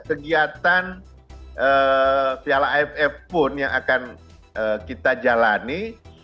kegiatan piala aff pun yang akan kita jalani